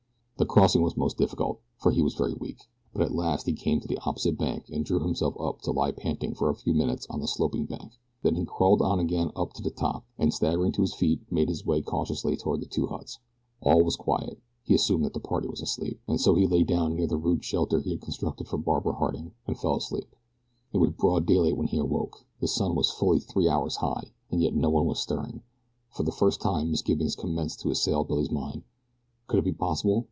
The crossing was most difficult, for he was very weak, but at last he came to the opposite bank and drew himself up to lie panting for a few minutes on the sloping bank. Then he crawled on again up to the top, and staggering to his feet made his way cautiously toward the two huts. All was quiet. He assumed that the party was asleep, and so he lay down near the rude shelter he had constructed for Barbara Harding, and fell asleep. It was broad daylight when he awoke the sun was fully three hours high, and yet no one was stirring. For the first time misgivings commenced to assail Billy's mind. Could it be possible?